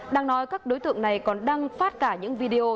đang nói các đối tượng này còn đăng phát cả những video